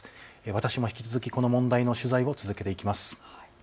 私も引き続きこの問題の取材を続けていきます。